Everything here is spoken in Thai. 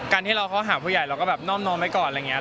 ที่เราเข้าหาผู้ใหญ่เราก็แบบน่อมนอมไว้ก่อนอะไรอย่างนี้